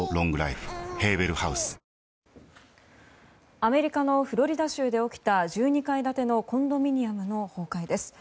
アメリカのフロリダ州で起きた１２階建てのコンドミニアムの崩壊です。